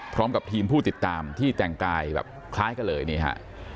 พร้อมกับทีมผู้ติดตามที่แต่งกายแบบคล้ายกันเลยนี่ฮะ